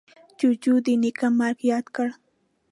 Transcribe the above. جوجو د نیکه مرگ ياد کړ.